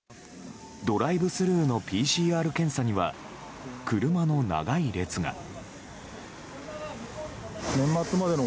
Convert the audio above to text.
ドライブスルーのＰＣＲ検査には車の長い列が。